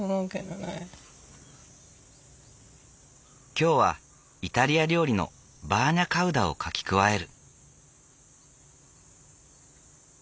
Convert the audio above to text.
今日はイタリア料理のバーニャカウダを書き加える。